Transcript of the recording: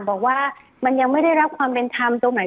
บอกว่ามันยังไม่ได้รับความเป็นธรรมตรงไหน